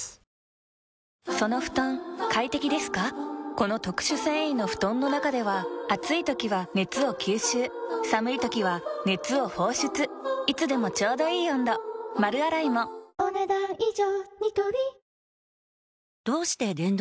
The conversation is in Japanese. この特殊繊維の布団の中では暑い時は熱を吸収寒い時は熱を放出いつでもちょうどいい温度丸洗いもお、ねだん以上。